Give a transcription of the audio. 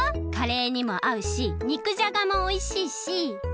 カレーにもあうしにくじゃがもおいしいし。